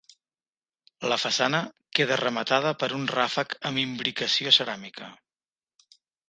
La façana queda rematada per un ràfec amb imbricació ceràmica.